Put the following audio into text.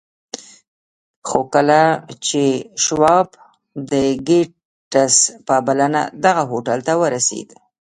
خو کله چې شواب د ګيټس په بلنه دغه هوټل ته ورسېد.